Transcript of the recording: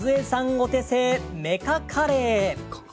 お手製メカカレー。